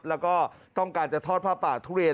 แล้วก็ต้องการจะทอดผ้าป่าทุเรียน